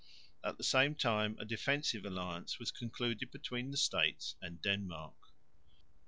At the same time a defensive alliance was concluded between the States and Denmark.